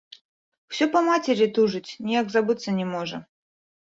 Усё па мацеры тужыць, ніяк забыцца не можа.